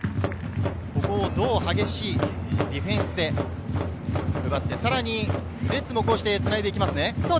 ここを激しいディフェンスで奪ってさらにレッズもこうしてつないでいきますね。